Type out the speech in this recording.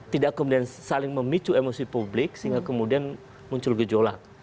tidak kemudian saling memicu emosi publik sehingga kemudian muncul gejolak